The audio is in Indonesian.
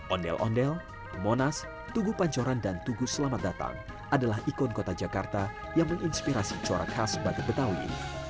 ondel ondel monas tugu pancoran dan tugu selamat datang adalah ikon kota jakarta yang menginspirasi corak khas batik betawi